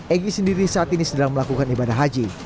egy sendiri saat ini sedang melakukan ibadah haji